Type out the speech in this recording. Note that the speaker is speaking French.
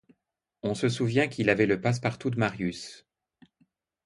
On se souvient qu'il avait le passe-partout de Marius.